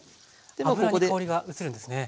油に香りが移るんですね。